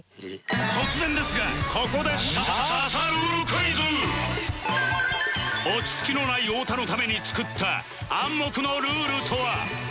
突然ですがここで落ち着きのない太田のために作った暗黙のルールとは？